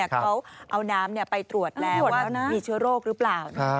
เขาเอาน้ำไปตรวจแล้วว่ามีเชื้อโรคหรือเปล่า